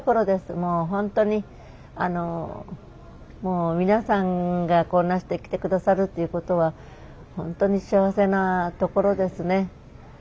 もうほんとにあのもう皆さんがこんなして来て下さるっていうことはほんとに幸せなところですね。